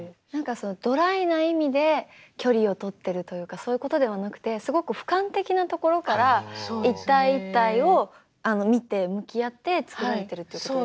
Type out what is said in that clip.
ドライな意味で距離をとってるというかそういうことではなくてすごく俯瞰的なところから一体一体を見て向き合って作られてるっていうことですよね。